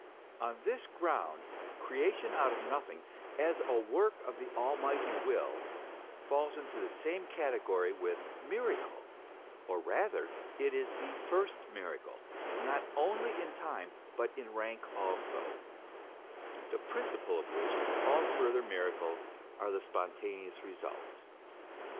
On this ground, creation out of nothing as a work of the Almighty Will falls into the same category with miracle, or rather it is the first miracle, not only in time but in rank also ; the principle of which all further miracles are the spontaneous result.